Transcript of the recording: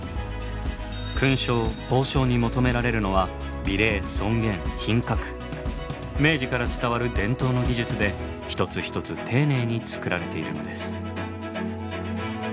勲章・褒章に求められるのは明治から伝わる伝統の技術で一つ一つ丁寧に造られているのです。